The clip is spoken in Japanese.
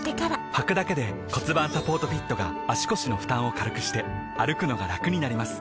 はくだけで骨盤サポートフィットが腰の負担を軽くして歩くのがラクになります